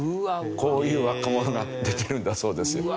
こういう若者が出てるんだそうですよ。